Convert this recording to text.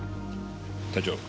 隊長。